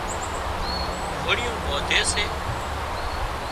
گھوڙيون ٻانڌي سي